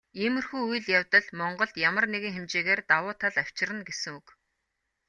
Иймэрхүү үйл явдал Монголд ямар нэгэн хэмжээгээр давуу тал авчирна гэсэн үг.